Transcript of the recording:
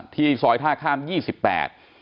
ที่ซอยท่าข้ามยี่สิบแปด